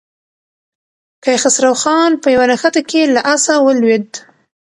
کیخسرو خان په یوه نښته کې له آسه ولوېد.